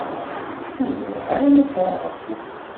Ur ẓriɣ ara ma sɛiɣ akud.